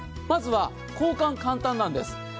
まずは交換簡単なんです。